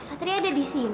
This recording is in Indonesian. satria ada disini